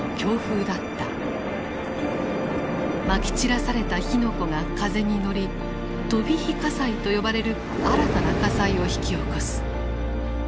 まき散らされた火の粉が風に乗り「飛び火火災」と呼ばれる新たな火災を引き起こす。